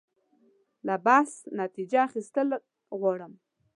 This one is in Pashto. له بحث نتیجه اخیستل غواړم.